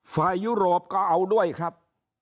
ยุโรปก็เอาด้วยครับ